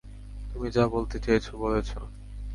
তুমি যা বলতে চেয়েছ, বলেছ।